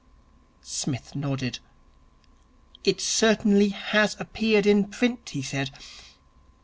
Psmith nodded. 'It certainly has appeared in print,' he said.